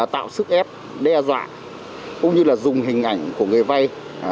tạo sức ép đe dọa cũng như là dùng hình ảnh của người vay